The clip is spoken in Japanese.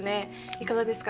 いかがですか？